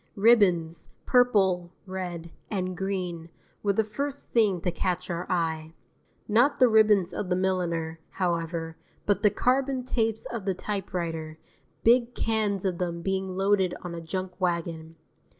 Ribbons, purple, red, and green, were the first thing to catch our eye. Not the ribbons of the milliner, however, but the carbon tapes of the typewriter, big cans of them being loaded on a junk wagon.